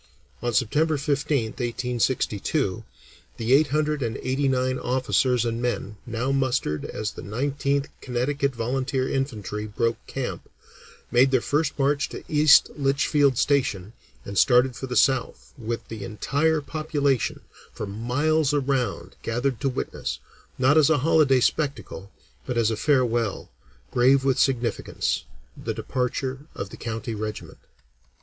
[Illustration: Presentation of colors, September 10th, 1862] On September 15th (1862), the eight hundred and eighty nine officers and men now mustered as the Nineteenth Connecticut Volunteer Infantry broke camp, made their first march to East Litchfield station, and started for the South, with the entire population for miles around gathered to witness, not as a holiday spectacle, but as a farewell, grave with significance, the departure of the county regiment.